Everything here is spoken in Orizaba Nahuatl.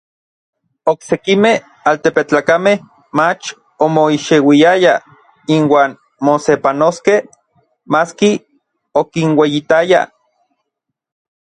Oksekimej altepetlakamej mach omoixeuiayaj inuan mosepanoskej, maski okinueyitayaj.